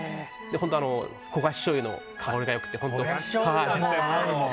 焦がししょうゆの香りが良くて。